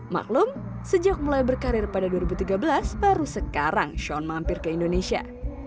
maklum sejak mulai berkarir pada dua ribu tiga belas baru sekarang shane mampir ke indonesia